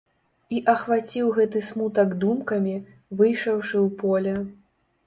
І ахваціў гэты смутак думкамі, выйшаўшы ў поле.